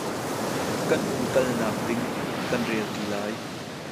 Kan umkalnak ding kan rel ṭi lai.